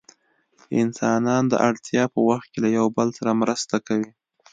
انسانان د اړتیا په وخت کې له یو بل سره مرسته کوي.